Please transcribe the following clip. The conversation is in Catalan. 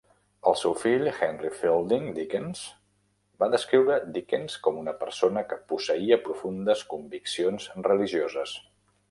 El seu fill, Henry Fielding Dickens, va descriure Dickens com una persona que "posseïa profundes conviccions religioses".